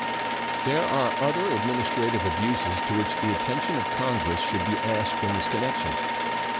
There are other administrative abuses to which the attention of Congress should be asked in this connection.